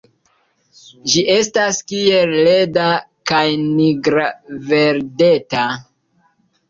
Ĝi estas kiel leda, kaj nigra-verdeta.